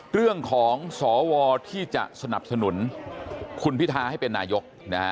เรื่องของสวที่จะสนับสนุนคุณพิทาให้เป็นนายก